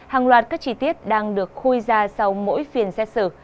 hàng loạt các chi tiết đang được khui ra sau mỗi phiền xét xử